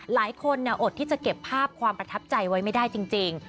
อดที่จะเก็บภาพความประทับใจไว้ไม่ได้จริง